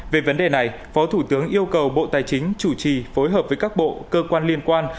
về vấn đề này phó thủ tướng yêu cầu bộ tài chính chủ trì phối hợp với các bộ cơ quan liên quan